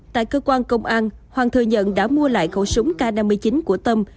tại cơ quan công an hoàng thừa nhận đã mua lại khẩu súng k năm mươi chín của tâm